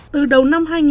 từ đầu năm hai nghìn